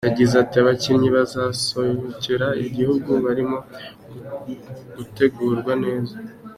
Yagize ati: ”Abakinnyi bazasohokera igihugu barimo gutegurwa neza.